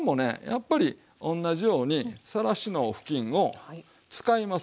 やっぱり同じようにさらしの布巾を使います。